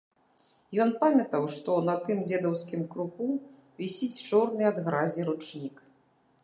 Ён памятаў, што на тым дзедаўскім круку вісіць чорны ад гразі ручнік.